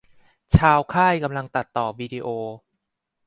ชาวค่ายกำลังตัดต่อวีดิโอ